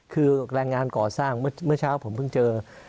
คือแรงงานก่อสร้างเมื่อเช้าผมเพิ่งเจอ